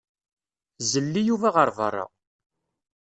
Zelli Yuba ɣer beṛṛa.